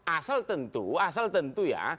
asal tentu asal tentu ya